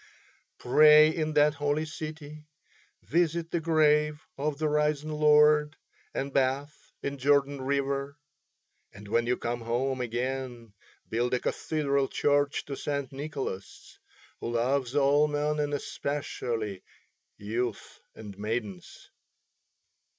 Pray in that holy city, visit the grave of the risen Lord and bathe in Jordan river. And when you come home again build a cathedral church to St. Nicholas, who loves all men and especially youths and maidens."